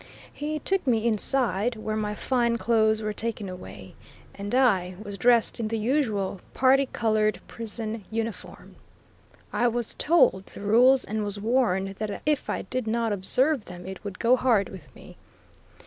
He took me inside, where my fine clothes were taken away, and I. was dressed in the usual particolored prison uniform. I was told the rules, and was warned that if I did not observe them it would go hard with me.